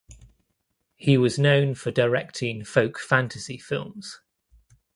He was known for directing folk fantasy films.